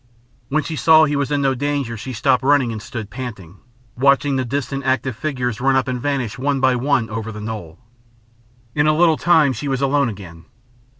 When she saw he was in no danger she stopped running and stood panting, watching the distant active figures run up and vanish one by one over the knoll. In a little time she was alone again.